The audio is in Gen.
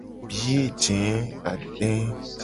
Biye je ade.